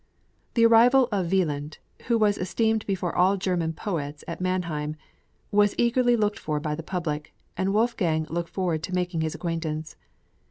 " The arrival of Wieland, who was esteemed before all German poets at Mannheim, was eagerly looked for by the public, and Wolfgang looked forward to making his acquaintance.